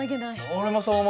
俺もそう思う。